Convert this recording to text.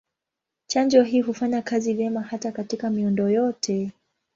Chanjo hii hufanya kazi vyema hata katika miundo yote.